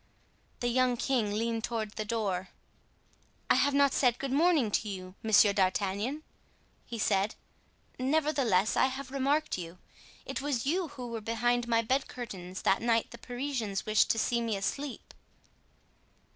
The young king leaned toward the door. "I have not said good morning to you, Monsieur d'Artagnan," he said; "nevertheless, I have remarked you. It was you who were behind my bed curtains that night the Parisians wished to see me asleep."